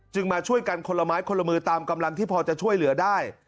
มาช่วยกันคนละไม้คนละมือตามกำลังที่พอจะช่วยเหลือได้